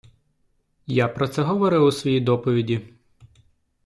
Я про це говорив у своїй доповіді.